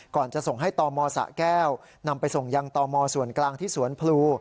ก่อนจะส่งให้ตมสะแก้วนำไปส่งยังตมส่วนกลางที่สวนพลู